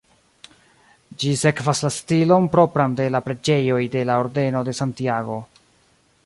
Ĝi sekvas la stilon propran de la preĝejoj de la Ordeno de Santiago.